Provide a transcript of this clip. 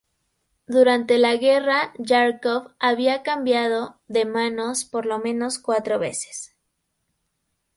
Durante la guerra, Járkov había cambiado de manos por lo menos cuatro veces.